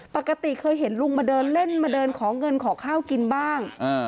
ปกติเคยเห็นลุงมาเดินเล่นมาเดินขอเงินขอข้าวกินบ้าง